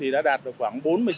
đã đạt được khoảng bốn mươi sáu